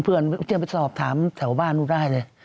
เพื่อนเตรียมไปสอบถามแถวบ้านนู้นได้เลย